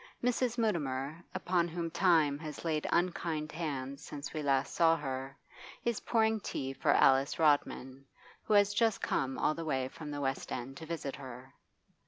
Mrs. Mutimer, upon whom time has laid unkind hands since last we saw her, is pouring tea for Alice Rodman, who has just come all the way from the West End to visit her.